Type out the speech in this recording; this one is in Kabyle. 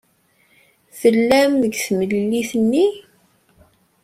Tellam deg temlilit-nni?